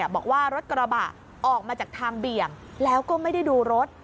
บอกว่ารถกระบะออกมาจากทางเบี่ยงแล้วก็ไม่ได้ดูรถ